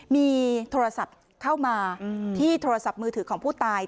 มีโทรศัพท์เข้ามาที่โทรศัพท์มือถือของผู้ตาย